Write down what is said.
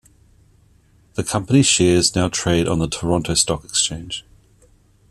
The company's shares now trade on the Toronto Stock Exchange.